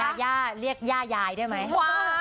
ย่าย่าเรียกย่ายายได้ไหม